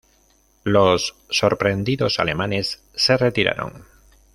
Los sorprendidos alemanes se retiraron.